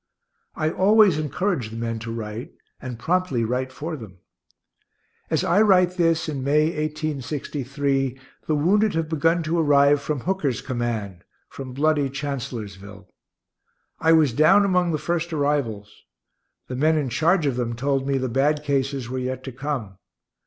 I always encourage the men to write, and promptly write for them. As I write this, in May, 1863, the wounded have begun to arrive from Hooker's command, from bloody Chancellorsville. I was down among the first arrivals. The men in charge of them told me the bad cases were yet to come.